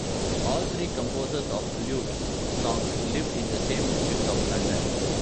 All three composers of lute songs lived in the same district of London.